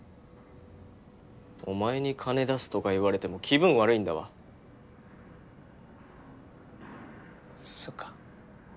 お前に金出すとか言われても気分悪いんだわそっか